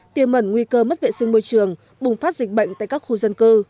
tiềm mẩn nguy cơ mất vệ sinh môi trường bùng phát dịch bệnh tại các khu dân cư